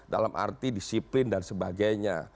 dalam arti disiplin dan sebagainya